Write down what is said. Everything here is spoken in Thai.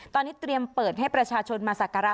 ตอนนี้เตรียมเปิดให้ประชาชนมาสักการะ